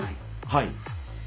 はい。